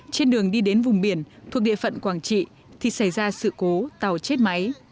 trên đường đi đến vùng biển thuộc địa phận quảng trị thì xảy ra sự cố tàu chết máy